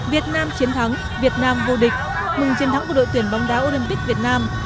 việt nam chiến thắng việt nam vô địch mừng chiến thắng của đội tuyển bóng đá olympic việt nam